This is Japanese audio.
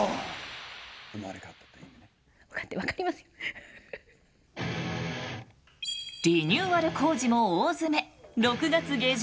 おっリニューアル工事も大詰め６月下旬。